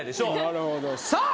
なるほどさあ